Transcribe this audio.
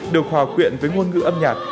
được hòa quyện với ngôn ngữ âm nhạc